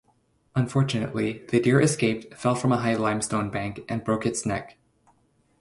Unfortunately, the deer escaped, fell from a high limestone bank and broke its neck.